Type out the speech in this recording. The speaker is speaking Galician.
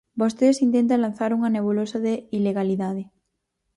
Vostedes intentan lanzar unha nebulosa de ilegalidade.